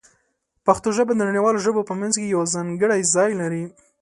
پښتو ژبه د نړیوالو ژبو په منځ کې یو ځانګړی ځای لري.